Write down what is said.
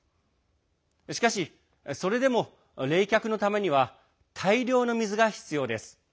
しかし、それでも冷却のためには大量の水が必要です。